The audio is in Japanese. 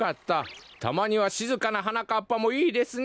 たまにはしずかな「はなかっぱ」もいいですね！